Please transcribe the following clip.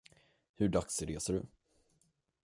Hur dags reser du?